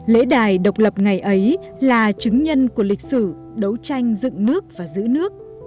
lễ đài độc lập ngày ấy là chứng nhân của lịch sử đấu tranh dựng nước và giữ nước